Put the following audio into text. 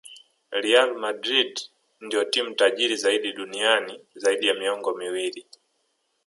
real madrid ndio timu tajiri zaidi duniani zaidi ya miongo miwili